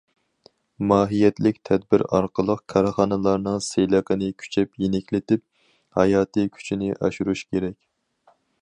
ماھىيەتلىك تەدبىر ئارقىلىق كارخانىلارنىڭ سېلىقىنى كۈچەپ يېنىكلىتىپ، ھاياتىي كۈچىنى ئاشۇرۇش كېرەك.